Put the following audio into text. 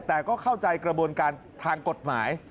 แต่ก็เข้าใจกระบวนการทางกฎหมาย